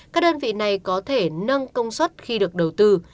các đơn vị này có thể nâng công suất khi được đầu tư